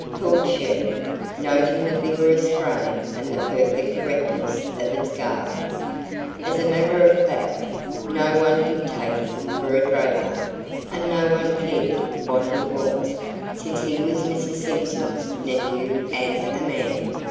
thought she, noting the vigorous frame and the perfect correctness of its garb. As a matter of fact, no one did take him for a draper, and no one cared what he was, since he was Mrs Simpson's nephew and a man.